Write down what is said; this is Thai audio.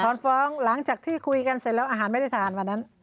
ถอนฟ้องหลังจากที่คุยกันเสร็จแล้วอาหารไม่ได้ทานวันนั้น